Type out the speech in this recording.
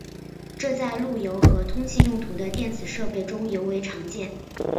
这在路由和通信用途的电子设备中尤为常见。